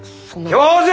教授！